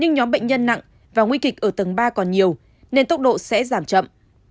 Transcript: nhưng nhóm bệnh nhân nặng và nguy kịch ở tầng ba còn nhiều nên tốc độ sẽ giảm chậm